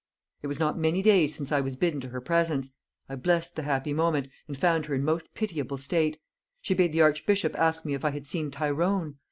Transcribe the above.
It was not many days since I was bidden to her presence; I blessed the happy moment, and found her in most pitiable state; she bade the archbishop ask me if I had seen Tyrone?